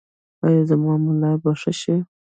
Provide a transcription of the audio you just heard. ایا زما ملا به ښه شي؟